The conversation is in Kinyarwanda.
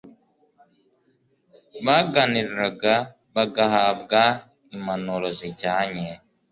baganiriraga bagahabwa impanuro zijyanye